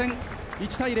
１対０